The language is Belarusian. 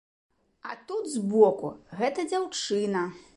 А тут, збоку, гэта дзяўчына.